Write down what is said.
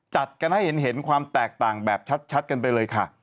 จัดกันให้เห็นความแตกต่างแบบชัดกันไปเลยค่ะ